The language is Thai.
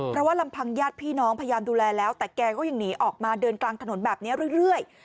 เพราะว่าลำพังญาติพี่น้องพยายามดูแลแล้วแต่แกก็ยังหนีออกมาเดินกลางถนนแบบนี้เรื่อย